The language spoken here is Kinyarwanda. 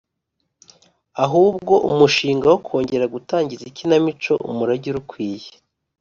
ahubwo umushinga wo kongera gutangiza ikinamico umurage urukwiye